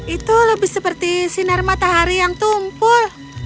itu lebih seperti sinar matahari yang tumpul